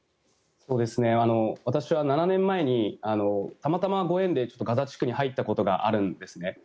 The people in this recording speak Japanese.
私は７年前にたまたまご縁でガザ地区に入ったことがあるんですね。